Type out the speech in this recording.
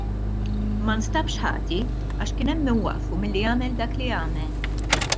Ma nstabx ħati għax kien hemm min waqqfu milli jagħmel dak li għamel.